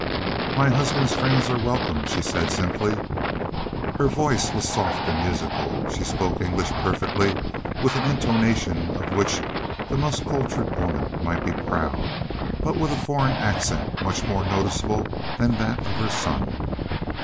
"My husband's friends are welcome," she said simply. Her voice was soft and musical. She spoke English perfectly, with an intonation of which the most cultured woman might be proud, but with a foreign accent much more noticeable than that of her son.